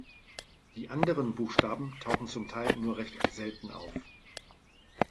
Die anderen Buchstaben tauchen zum Teil nur recht selten auf.